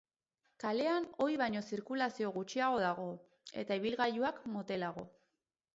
Kalean ohi baino zirkulazio gutxiago dago, eta ibilgailuak motelago.